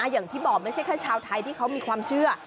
อย่างที่บอกไม่ใช่แค่ชาวไทยที่เขามีความเชื่อ